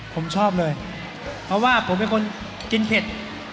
ผมชอบเลยเพราะว่าผมเป็นคนกินเผ็ด